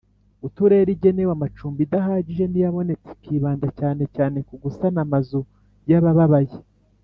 Uturere igenewe amacumbi idahagije n iyabonetse ikibanda cyane cyane ku gusana amazu yabababaye